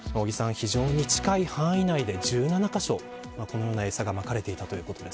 非常に近い範囲内で１７カ所このような餌がまかれていたということです。